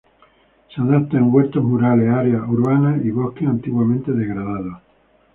Se adapta en huertos rurales, áreas urbanas y bosques antiguamente degradados.